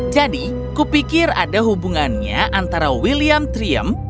jadi kupikir ada hubungannya antara william trium